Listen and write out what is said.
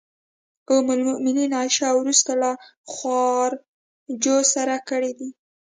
ام المومنین عایشې او وروسته له خوارجو سره کړي دي.